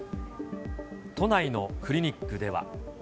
都内のクリニックでは。